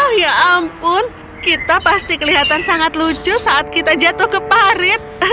oh ya ampun kita pasti kelihatan sangat lucu saat kita jatuh ke parit